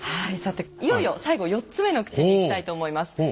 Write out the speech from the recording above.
さていよいよ最後４つ目の口にいきたいと思います。